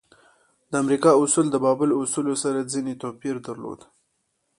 د امریکا اصول د بابل اصولو سره ځینې توپیر درلود.